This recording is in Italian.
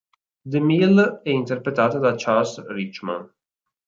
De Mille e interpretata da Charles Richman.